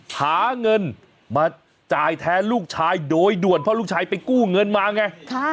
หาเงินมาจ่ายแทนลูกชายโดยด่วนเพราะลูกชายไปกู้เงินมาไง